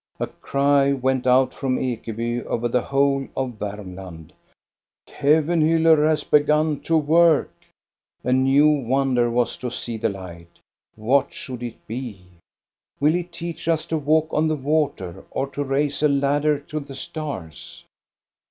A cry went out from Ekeby over the whole of Varmland: —" Kevenhiiller has begun to work !" A new wonder was to see the light. What should it be ? Will he teach us to walk on the water, or to raise a ladder to the stars?